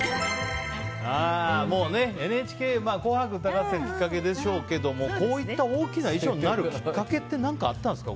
もうね「ＮＨＫ紅白歌合戦」がきっかけでしょうけどこういった大きな衣装になるきっかけって何かあったんですか。